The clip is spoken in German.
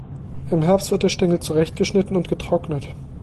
Im Herbst wird der Stängel zurechtgeschnitten und getrocknet.